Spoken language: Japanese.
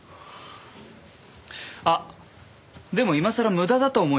あっでも今さら無駄だと思いますよ。